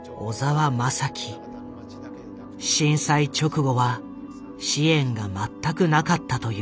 震災直後は支援が全くなかったという。